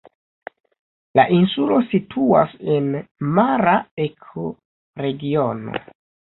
La insulo situas en mara ekoregiono.